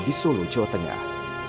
di seluruh jawa tengah